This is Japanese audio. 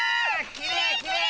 きれいきれい！